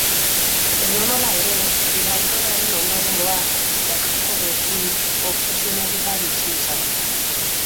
Edonola ere, birraitonaren ondorengoak Txekhovekin obsesionatuta bizi izan dira.